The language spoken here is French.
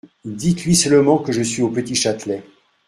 Dites-lui seulement que je suis au Petit-Châtelet.